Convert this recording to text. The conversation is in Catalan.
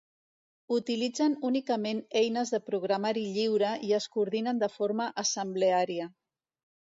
Utilitzen únicament eines de programari lliure i es coordinen de forma assembleària.